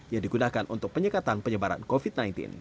yang digunakan untuk penyekatan penyebaran covid sembilan belas